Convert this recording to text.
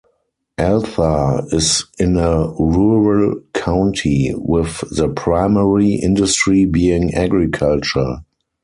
Altha is in a rural county, with the primary industry being agriculture.